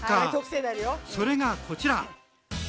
それがこちら！